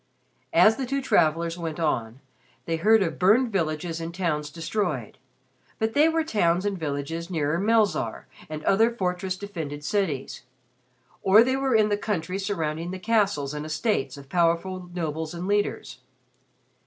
As the two travelers went on, they heard of burned villages and towns destroyed, but they were towns and villages nearer Melzarr and other fortress defended cities, or they were in the country surrounding the castles and estates of powerful nobles and leaders.